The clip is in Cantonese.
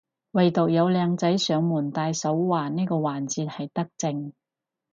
惟獨有靚仔上門戴手環呢個環節係德政